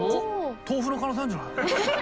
豆腐の可能性あるんじゃない？